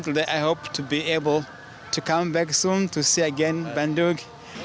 dan saya berharap bisa kembali kembali ke bandung